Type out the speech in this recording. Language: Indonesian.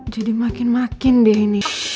jadi makin makin dia ini